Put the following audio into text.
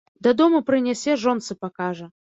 Дадому прынясе, жонцы пакажа.